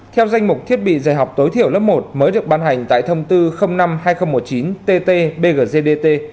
theo danh mục thiết bị dạy học tối thiểu lớp một mới được ban hành tại thông tư năm hai nghìn một mươi chín tt bggdt